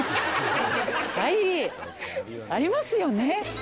はいありますよね。